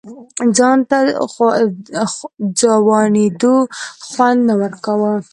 ځان ته ځوانېدو خوند نه ورکوه.